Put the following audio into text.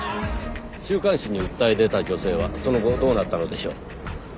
週刊誌に訴え出た女性はその後どうなったのでしょう？